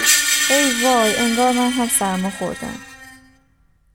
ای وای انگار من هم سرما خوردهام